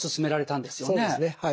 そうですねはい。